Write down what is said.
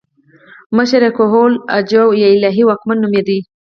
مشر یې کهول اجاو یا الهي واکمن نومېده